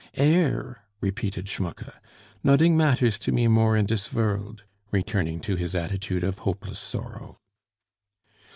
"Heir?..." repeated Schmucke. "Noding matters to me more in dis vorld," returning to his attitude of hopeless sorrow.